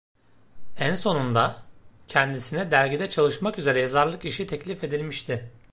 En sonunda, kendisine dergide çalışmak üzere yazarlık işi teklif edilmişti.